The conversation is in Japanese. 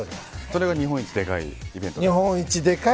それが日本一でかいイベントですか。